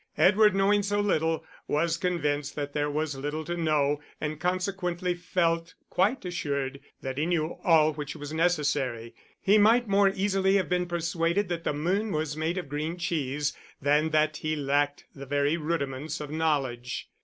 Edward, knowing so little, was convinced that there was little to know, and consequently felt quite assured that he knew all which was necessary. He might more easily have been persuaded that the moon was made of green cheese than that he lacked the very rudiments of knowledge.